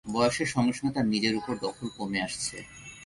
বয়সের সঙ্গে সঙ্গে তার নিজের উপর দখল কমে আসছে।